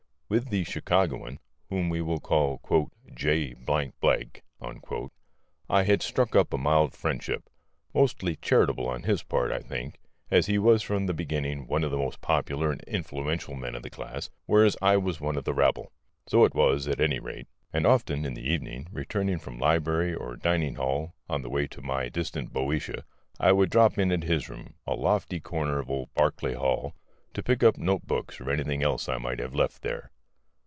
With the Chicagoan, whom we will call "J ," I had struck up a mild friendship; mostly charitable on his part, I think, as he was from the beginning one of the most popular and influential men in the class, whereas I was one of the rabble. So it was, at any rate; and often in the evening, returning from library or dining hall on the way to my distant Boeotia, I would drop in at his room, in a lofty corner of old Barclay Hall, to pick up note books or anything else I might have left there.